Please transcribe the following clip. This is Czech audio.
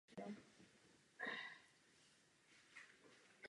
Tvoří tudíž nejdiskriminovanější menšinu v Evropě.